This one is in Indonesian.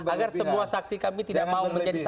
agar semua saksi kami tidak mau menjadi saksi